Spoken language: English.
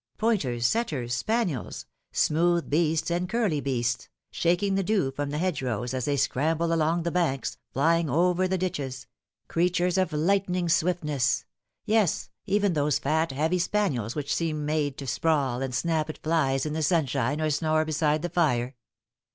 Pointers, setters, spaniels, smooth beasts and curly beasts, shaking the dew from the hedgerows as they scramble along the banks, flying over the ditches creatures of lightning swiftness ; yes, even those fat heavy spanfWs which seem made to sprawl and snap at flies in the sunshine or snore beside the fire."